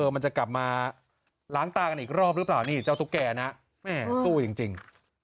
มันจะกลับมาล้างตากันอีกรอบหรือเปล่านี่เจ้าตุ๊กแก่นะแม่สู้จริง